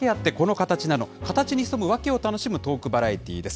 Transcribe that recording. カタチに潜むワケを楽しむトークバラエティです。